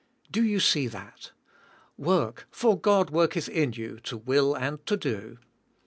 Do you see that? Work for God worketh in you to will and to do.